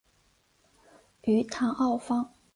于唐奥方。